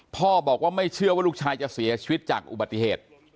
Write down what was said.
พ่อบอกว่าไม่เชื่อว่าลูกชายจะเสียชีวิตจากอุบัติเหตุ